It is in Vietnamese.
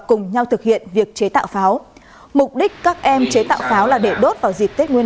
cùng nhau thực hiện việc chế tạo pháo mục đích các em chế tạo pháo là để đốt vào dịp tết nguyên